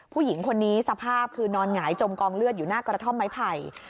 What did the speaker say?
ผู้หญิงคนนี้สภาพคือนอนหงายจมกองเลือดอยู่หน้ากระท่อมไม้ไผ่